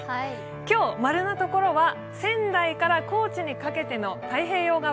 今日、○のところは仙台から高知にかけての太平洋側。